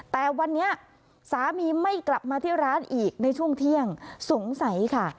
แต่วันนี้สามีไม่กลับมาที่ร้านอีกในช่วงเที่ยงสงสัยค่ะ